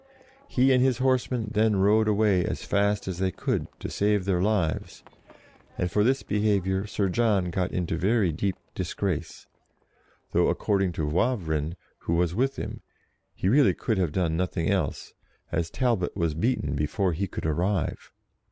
He and his horsemen then rode away as fast as they could, to save their lives, and for this behaviour Sir John got into very deep disgrace, though, according to Wavrin, who was with him, he really could have done nothing else, as Talbot was beaten before he could arrive.